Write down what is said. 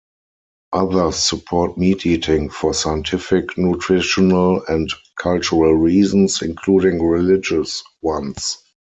Others support meat eating for scientific, nutritional and cultural reasons, including religious ones.